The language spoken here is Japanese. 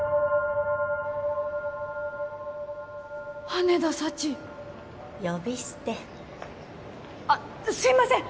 羽田早智呼び捨てあっすいません！